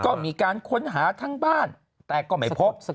ก็มีการค้นหาทั้งบ้านแต่ก็ไม่พบ